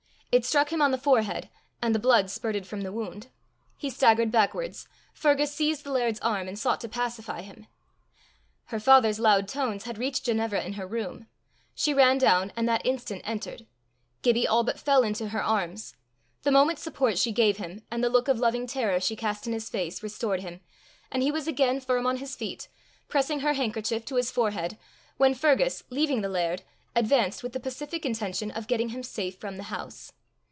It struck him on the forehead, and the blood spirted from the wound. He staggered backwards. Fergus seized the laird's arm, and sought to pacify him. Her father's loud tones had reached Ginevra in her room; she ran down, and that instant entered: Gibbie all but fell into her arms. The moment's support she gave him, and the look of loving terror she cast in his face, restored him; and he was again firm on his feet, pressing her handkerchief to his forehead, when Fergus, leaving the laird, advanced with the pacific intention of getting him safe from the house.